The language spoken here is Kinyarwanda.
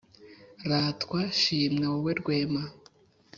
ratwa, shimwa, wowe rwema,